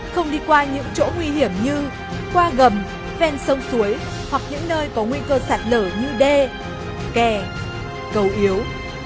không đi qua những chỗ nguy hiểm như qua gầm ven sông suối hoặc những nơi có nguy cơ sạt lở như đê kè cầu yếu